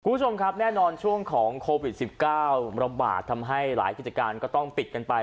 คุณผู้ชมครับแน่นอนช่วงของโควิด๑๙ระบาดทำให้หลายกิจการก็ต้องปิดกันไป